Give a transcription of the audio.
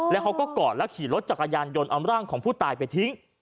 แล้วเขาก็กอดแล้วขี่รถจักรยานยนต์เอาร่างของผู้ตายไปทิ้ง